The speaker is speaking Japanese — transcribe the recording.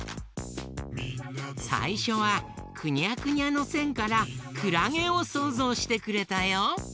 さいしょはくにゃくにゃのせんからくらげをそうぞうしてくれたよ。